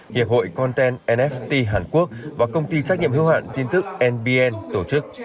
hiệp hội content nft hàn quốc và công ty trách nhiệm hưu hạn tin tức nbn tổ chức